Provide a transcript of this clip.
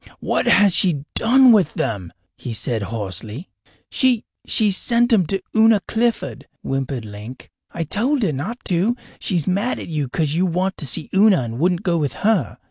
"What has she done with them?" he said hoarsely. "She she sent 'em to Una Clifford," whimpered Link. "I told her not to. She's mad at you, cause you went to see Una and wouldn't go with her.